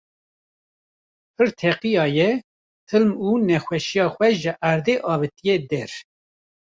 pir teqiyaye, hilm û nexweşiya xwe ji erdê avitiye der